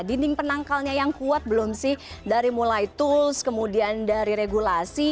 dinding penangkalnya yang kuat belum sih dari mulai tools kemudian dari regulasi